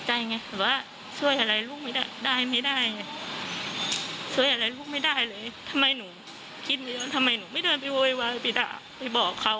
พ่อเค้าบอกว่าน้องไปแล้วนะตอนเกือบ๕ทุ่ม๔๓๔๖นาทีนี้เหรอค่ะ